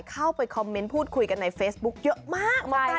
เข้าไปคอมเมนต์พูดคุยกันในเฟซบุ๊คเยอะมาก